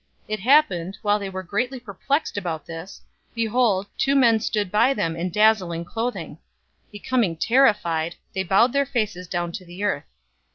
024:004 It happened, while they were greatly perplexed about this, behold, two men stood by them in dazzling clothing. 024:005 Becoming terrified, they bowed their faces down to the earth.